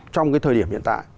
trong cái thời điểm hiện tại